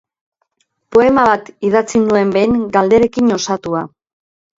Poema bat idatzi nuen behin, galderekin osatua.